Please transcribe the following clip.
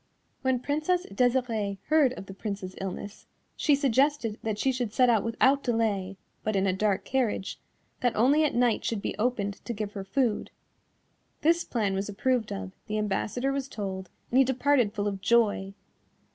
When Princess Desirée heard of the Prince's illness, she suggested that she should set out without delay, but in a dark carriage, that only at night should be opened to give her food. This plan was approved of; the ambassador was told, and he departed full of joy.